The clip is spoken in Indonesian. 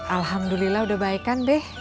alhamdulillah udah baik kan be